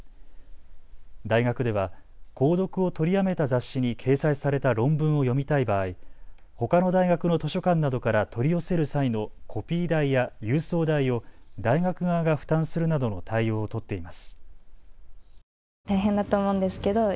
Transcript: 大学では購読を取りやめた雑誌に掲載された論文を読みたい場合、ほかの大学の図書館などから取り寄せる際のコピー代や郵送代を大学側が負担するなどの対応を取っています。